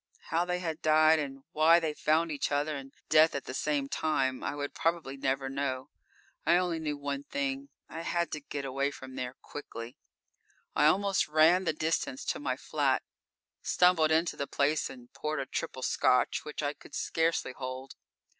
How they had died and why they found each other and death at the same time, I would probably never know. I only knew one thing: I had to get away from there quickly. I almost ran the distance to my flat. Stumbled into the place and poured a triple Scotch which I could scarcely hold.